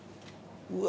うわ。